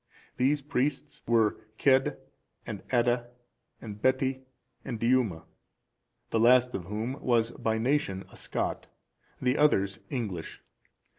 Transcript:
These priests were Cedd and Adda, and Betti and Diuma;(406) the last of whom was by nation a Scot, the others English.